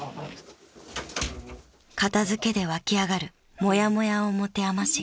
［片付けで湧き上がるもやもやを持て余し